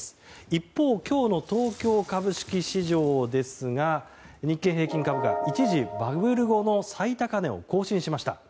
一方、今日の東京株式市場ですが日経平均株価一時、バブル後の最高値を更新しました。